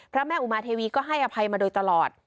พระแม่อุมาเทวีก็ให้อภัยมาโดยตลอด